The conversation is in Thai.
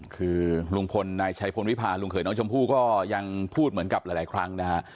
คือลุงพลนายชัยพลวิพาลุงเขยน้องชมพู่ก็ยังพูดเหมือนกับหลายครั้งนะฮะ